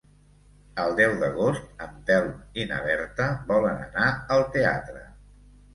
El deu d'agost en Telm i na Berta volen anar al teatre.